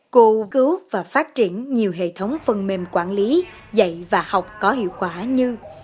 cô cứu và phát triển nhiều hệ thống phần mềm quản lý dạy và học có hiệu quả như